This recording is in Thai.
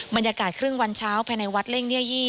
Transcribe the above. บรรยากาศครึ่งวันเช้าภายในวัดเล่งเยียยี่